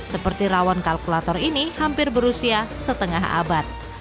seperti rawon kalkulator ini hampir berusia setengah abad